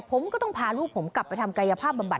ผมก็ต้องพาลูกผมกลับไปทำกายภาพบำบั